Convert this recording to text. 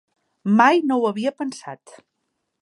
Mai no ho havia pensat.